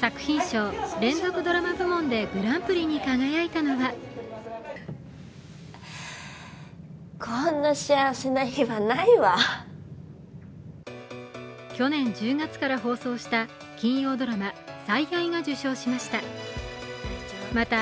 作品賞・連続ドラマ部門でグランプリに輝いたのは去年１０月から放送した金曜ドラマ「最愛」が受賞しました。